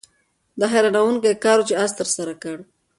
دا یو حیرانوونکی کار و چې آس ترسره کړ.